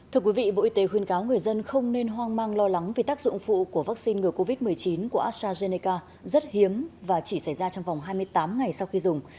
thưa quý vị bộ y tế khuyên cáo người dân không nên hoang mang lo lắng vì tác dụng phụ của vaccine ngừa covid một mươi chín của astrazeneca rất hiếm và chỉ xảy ra trong vòng hai mươi tám ngày sau khi dùng